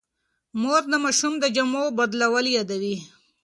مور د ماشوم د جامو بدلول یادوي.